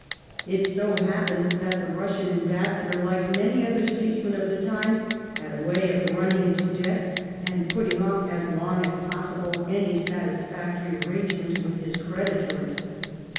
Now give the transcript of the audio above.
It so happened that the Eussian ambassador, like many other statesmen of the time, had a way of running into debt and 1708 A GROTESQUE INCIDENT. 15 putting off as long as possible any satisfactory arrangement with Ms creditors.